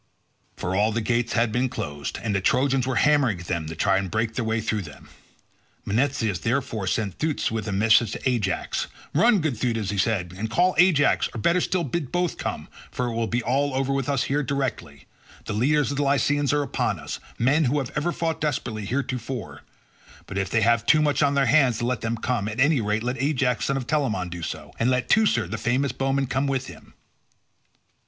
For all the gates had been closed, and the Trojans were hammering at them to try and break their way through them. Menestheus, therefore, sent Thootes with a message to Ajax. "Run, good Thootes," he said, "and call Ajax, or better still bid both come, for it will be all over with us here directly; the leaders of the Lycians are upon us, men who have ever fought desperately heretofore. But if they have too much on their hands to let them come, at any rate let Ajax son of Telamon do so, and let Teucer, the famous bowman, come with him."